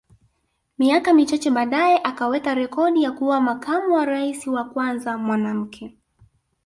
Miaka michache baadae akaweka rekodi ya kuwa makamu wa Rais wa kwanza mwanamke